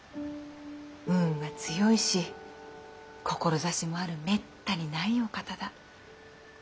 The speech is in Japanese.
運は強いし志もあるめったにないお方だ。